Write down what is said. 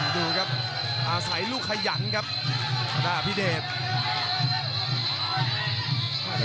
ดูครับอาศัยลูกขยันครับธนาพิเดช